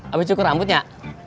apa cuku rambutnya